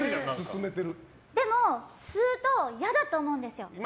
でも、吸うと嫌だと思うんです。